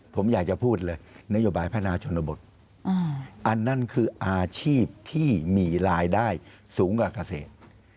ผมอยากจะพูดเลยนโยบายพัฒนาชนบทอันนั้นคืออาชีพที่มีรายได้สูงกว่าเกษตร